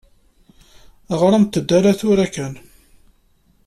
Ɣṛemt-d aya tura kan.